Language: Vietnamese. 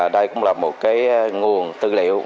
đây cũng là một cái nguồn tư liệu